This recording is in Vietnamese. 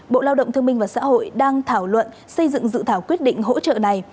bộ lao động thương minh và xã hội đang thảo luận xây dựng dự thảo quyết định hỗ trợ này